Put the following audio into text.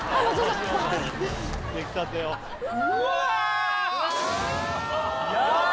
うわ！